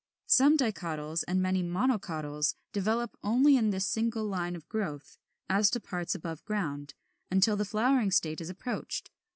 Some Dicotyls and many Monocotyls develop only in this single line of growth (as to parts above ground) until the flowering state is approached.